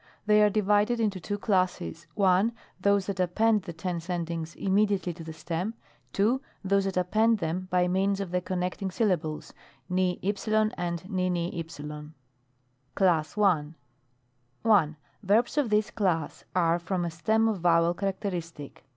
They are divided into two classes: — ^I. Those that append the tense endings immediately to the stem. II. Those that append them by means of the connecting syllables vv and vw. CLASS I. 1. Verbs of this class are from a stem of vowel characteristic.